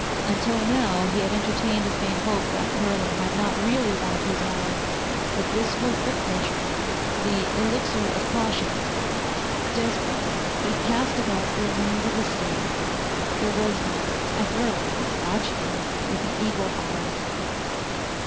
Until now he had entertained a faint hope that Merlin might not really want his eye. But this was the clincher. The Elixir of Caution! Desperately he cast about for a means of escape. There was none. And Merlin was watching him with an eagle eye.